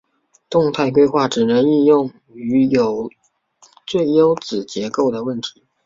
动态规划只能应用于有最优子结构的问题。